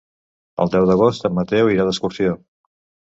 El deu d'agost en Mateu irà d'excursió.